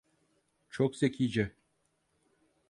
Çok zekice.